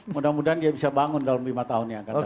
mudah mudahan dia bisa bangun dalam lima tahun yang akan datang